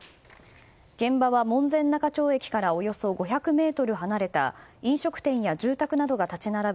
現場は門前仲町駅からおよそ５００ｍ離れた飲食店や住宅などが立ち並ぶ